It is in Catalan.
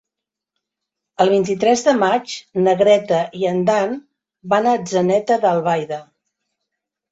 El vint-i-tres de maig na Greta i en Dan van a Atzeneta d'Albaida.